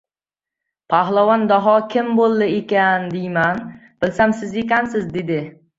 Pahlavon Daho kim bo‘ldi ekan deyman, bilsam, siz ekansiz, — dedi.